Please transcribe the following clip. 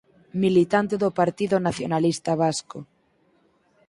Militante do Partido Nacionalista Vasco.